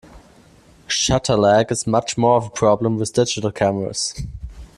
Shutter lag is much more of a problem with digital cameras.